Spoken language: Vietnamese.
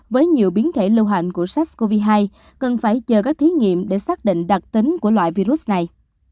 với nhiều biến thể lưu hành của sars cov hai cần phải chờ các thí nghiệm để xác định đặc tính của loại virus này